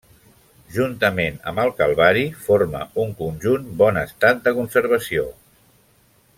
Juntament amb el calvari forma un conjunt bon estat de conservació.